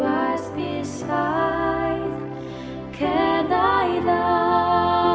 apa yang aku lakukan